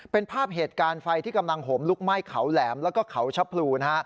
เป็นภาพเหตุการณ์ไฟที่กำลังโหมลุกไหม้เขาแหลมแล้วก็เขาชะพลูนะฮะ